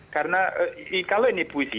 karena kalau ini puisi